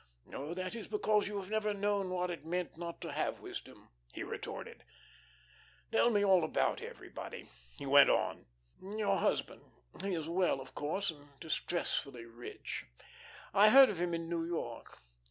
"Oh, that is because you have never known what it meant not to have wisdom," he retorted. "Tell me about everybody," he went on. "Your husband, he is well, of course, and distressfully rich. I heard of him in New York.